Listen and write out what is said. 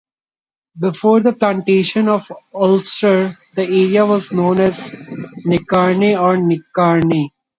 Before the Plantation of Ulster, the area was known as Necarne or Nakerny.